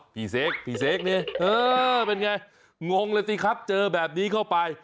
พี่เศกพี่เศกเนี่ยเห้อเป็นไงงงเลยสิครับเจอแบบนี้เข้าไป